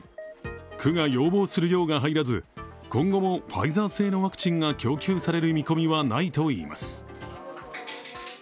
区が要望する量が入らず今後もファイザー製のワクチンが供給される見込みはないといいます。